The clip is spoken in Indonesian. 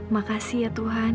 makasih ya tuhan